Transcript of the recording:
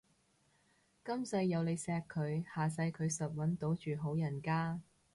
今世有你錫佢，下世佢實搵到住好人家